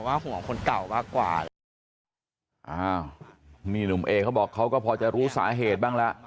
อ้าวนี่หนุ่มเอเขาบอกเขาก็พอจะรู้สาเหตุบ้างแหละ